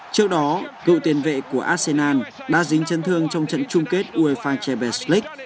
trước đó cựu tiền vệ của arsenal đã dính chấn thương trong trận chung kết uefa champions league